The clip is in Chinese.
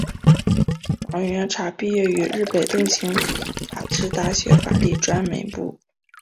王元超毕业于日本东京法政大学法律专门部。